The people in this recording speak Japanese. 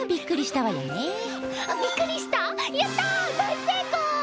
大成功！